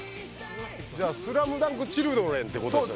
じゃあ『スラムダンク』チルドレンっていう事ですか？